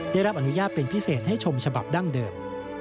ได้รับอนุญาตเป็นพิเศษให้ชมฉบับดั้งเดิม